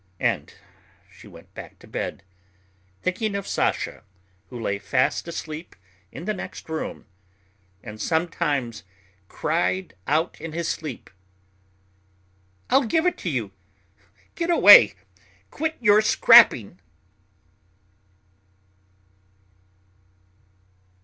And she went back to bed, thinking of Sasha who lay fast asleep in the next room and sometimes cried out in his sleep: "I'll give it to you! Get away! Quit your scrapping!"